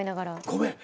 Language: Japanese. ごめん。